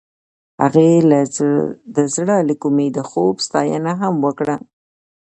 هغې د زړه له کومې د خوب ستاینه هم وکړه.